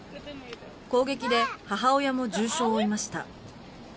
攻撃で母親も重傷を負いました。